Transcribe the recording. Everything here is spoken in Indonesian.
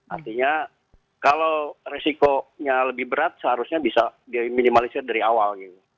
artinya kalau resikonya lebih berat seharusnya bisa diminimalisir dari awal